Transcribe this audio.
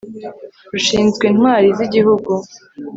rushinzwe intwali z'igihugu